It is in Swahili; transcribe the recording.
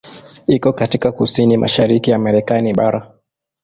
Iko katika kusini mashariki ya Marekani bara.